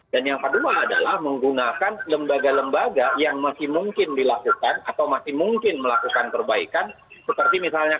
dan yang kedua adalah menggunakan lembaga lembaga yang masih mungkin dilakukan atau masih mungkin melakukan perbaikan seperti misalnya ky